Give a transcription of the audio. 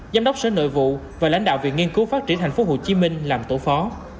giám đốc sở nội vụ và lãnh đạo viện nghiên cứu phát triển tp hcm làm tổ phó